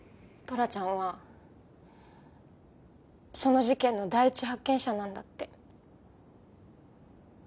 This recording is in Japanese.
トラちゃんはその事件の第一発見者なんだって。